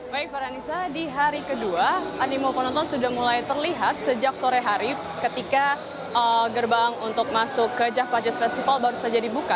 baik para nisa di hari kedua animo penonton sudah mulai terlihat sejak sore hari ketika gerbang untuk masuk ke java jazz festival baru saja dibuka